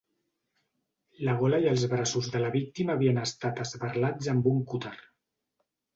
La gola i els braços de la víctima havien estat esberlats amb un cúter.